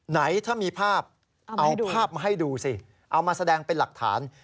ไหนถ้ามีภาพเอาภาพมาให้ดูสิเอามาแสดงเป็นหลักฐาน